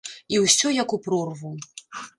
І ўсё як у прорву.